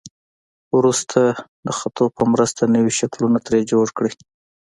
وروسته د خطو په مرسته نوي شکلونه ترې جوړ کړئ.